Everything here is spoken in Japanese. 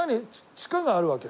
地下があるわけ？